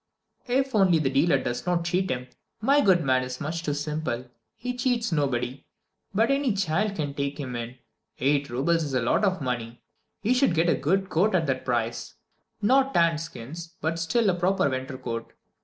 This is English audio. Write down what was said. "If only the dealer does not cheat him. My good man is much too simple; he cheats nobody, but any child can take him in. Eight roubles is a lot of money he should get a good coat at that price. Not tanned skins, but still a proper winter coat.